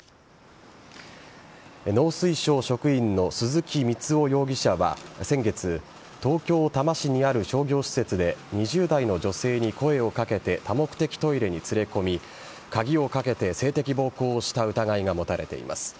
農水省職員の鈴木光夫容疑者は先月東京・多摩市にある商業施設で２０代の女性に声を掛けて多目的トイレに連れ込み鍵をかけて性的暴行をした疑いが持たれています。